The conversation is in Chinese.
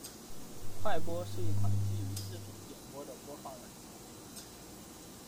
快播是一款基于视频点播的播放软件。